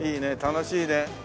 楽しいね。